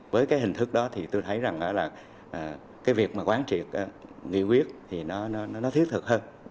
với cái hình thức đó thì tôi thấy rằng là cái việc mà quán triệt nghị quyết thì nó thiết thực hơn